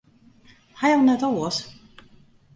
Ha jo neat oars?